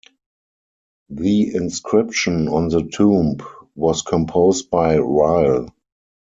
The inscription on the tomb was composed by Ryle.